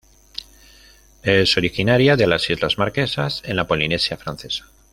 Es originaria de las islas Marquesas en la Polinesia Francesa.